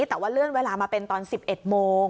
แต่ว่าเลื่อนเวลามาเป็นตอน๑๑โมง